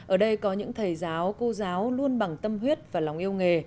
ở đây có những thầy giáo cô giáo luôn bằng tâm huyết và lòng yêu nghề